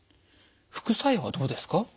副作用はどうですか？